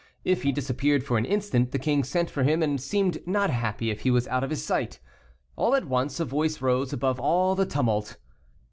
If he disappeared for an instant, the king sent for him, and seemed not happy if he was out of his sight. All at once a voice rose above all the tumult.